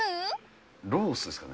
ロースですかね？